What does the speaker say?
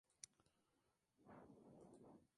Otro nombre utilizado es la torre de la albufera.